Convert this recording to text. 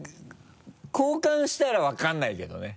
交換したら分からないけどね。